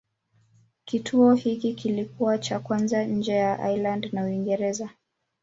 Kituo hiki kilikuwa cha kwanza nje ya Ireland na Uingereza.